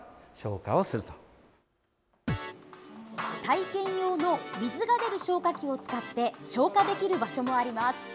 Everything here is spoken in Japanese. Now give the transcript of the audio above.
体験用の水が出る消火器を使って消火できる場所もあります。